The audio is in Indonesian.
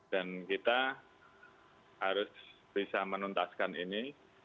dan kita harus bisa menuntaskan ini